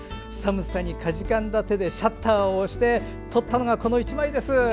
寒さにかじかんだ手でシャッターを押して撮ったのがこの１枚です。